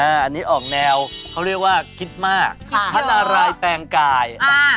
อันนี้ออกแนวเขาเรียกว่าคิดมากท่านอะไรแปลงกาย